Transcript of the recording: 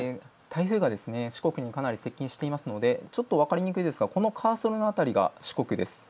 台風が四国にかなり接近していますので分かりにくいですがこのカーソルの辺りが四国です。